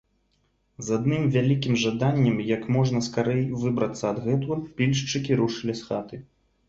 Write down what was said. З адным вялікім жаданнем як можна скарэй выбрацца адгэтуль пільшчыкі рушылі з хаты.